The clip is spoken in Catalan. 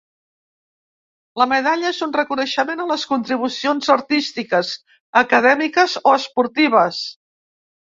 La medalla és un reconeixement a les contribucions artístiques, acadèmiques o esportives.